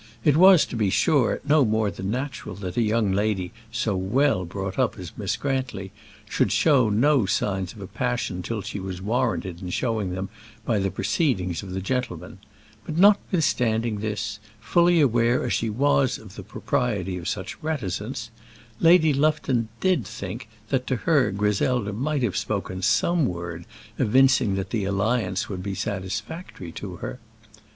It was, to be sure, no more than natural that a young lady so well brought up as Miss Grantly should show no signs of a passion till she was warranted in showing them by the proceedings of the gentleman; but notwithstanding this fully aware as she was of the propriety of such reticence Lady Lufton did think that to her Griselda might have spoken some word evincing that the alliance would be satisfactory to her.